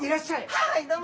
はいどうも！